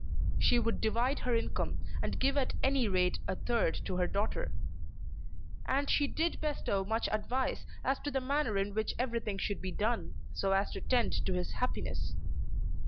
She would divide her income, and give at any rate a third to her daughter. And she did bestow much advice as to the manner in which everything should be done so as to tend to his happiness.